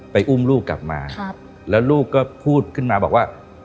อุ้มลูกกลับมาแล้วลูกก็พูดขึ้นมาบอกว่า